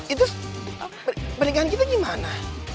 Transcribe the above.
itu pernikahan kita gimana